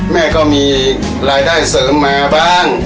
แม่ก็มีรายได้เสริมมาบ้าง